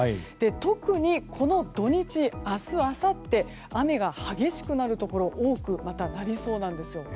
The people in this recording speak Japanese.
特に、この土日明日あさって雨が激しくなるところ多くなりそうなんですよ。